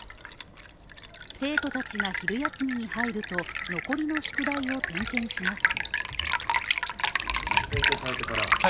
生徒たちが昼休みに入ると残りの宿題を点検します。